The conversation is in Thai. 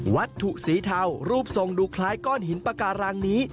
วัตถุสีเทารูปทรงดูคล้ายก้อนหินปาการังนี้